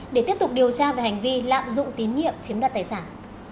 để tiếp tục điều tra về hành vi lạm dụng tín nhiệm chiếm đoạt tài sản